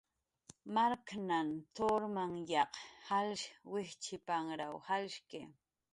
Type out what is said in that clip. Marknhan turmanyaq jall wijchipanrw jalshki.